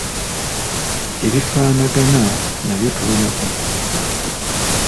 Ebifaanagana nabyo tulina okubifaako.